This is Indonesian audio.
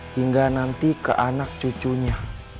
hingga nanti ke anak cucunya